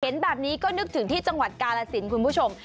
เห็นแบบนี้ก็นึกถึงที่จังหวัดกาลสินคุณผู้ชม